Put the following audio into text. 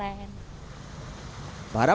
para pengunjung dan para pekerja mereka juga banyak